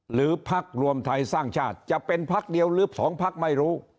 พักรวมไทยสร้างชาติจะเป็นพักเดียวหรือ๒พักไม่รู้